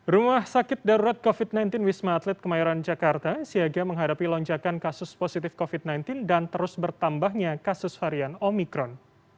rumah sakit darurat covid sembilan belas wisma atlet kemayoran jakarta siaga menghadapi lonjakan kasus positif covid sembilan belas dan terus bertambahnya kasus harian omikron